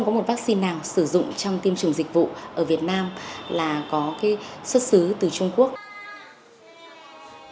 các loại vacciner được sản xuất trong nước hay riverhatid đã được sản xuất vào trường thống này papersn